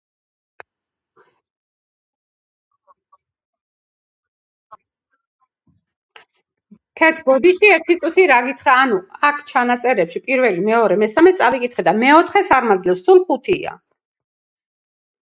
ანუ სამი ცალი წავიღეთ ამ ხუთი ბურთიდან.